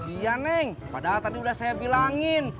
iya neng padahal tadi udah saya bilangin